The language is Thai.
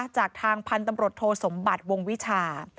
จากทางพันธมรตโทสมบัติวงวิชา